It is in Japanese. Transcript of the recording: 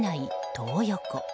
トー横。